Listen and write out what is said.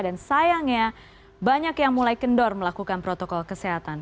dan sayangnya banyak yang mulai kendor melakukan protokol kesehatan